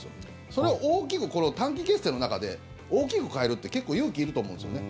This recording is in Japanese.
それを大きくこの短期決戦の中で大きく変えるって結構勇気いると思うんですよね。